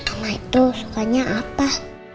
omah itu sukanya apa